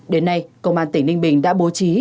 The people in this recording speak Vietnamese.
đến nay công an tỉnh ninh bình đã bố trí